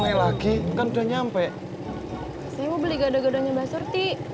lho kok lagi kan udah nyampe saya mau beli gada gadanya basur ti